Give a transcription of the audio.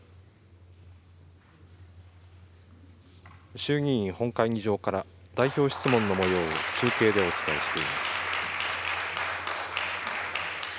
衆議院本会議場から代表質問のもようを中継でお伝えしています。